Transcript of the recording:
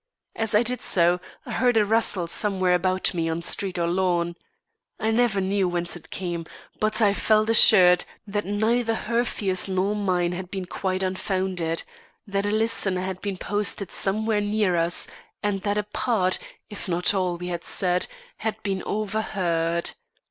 As I did so, I heard a rustle somewhere about me on street or lawn. I never knew whence it came, but I felt assured that neither her fears nor mine had been quite unfounded; that a listener had been posted somewhere near us and that a part, if not all, we had said had been overheard.